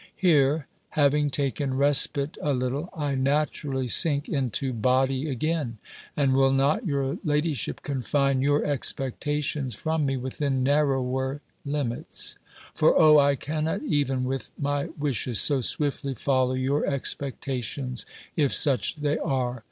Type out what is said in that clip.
Here, having taken respite a little, I naturally sink into body again. And will not your ladyship confine your expectations from me within narrower limits? For, O, I cannot even with my wishes, so swiftly follow your expectations, if such they are!